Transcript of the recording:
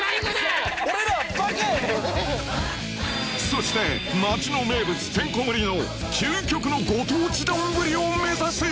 そして町の名物てんこ盛りの究極のご当地丼を目指す！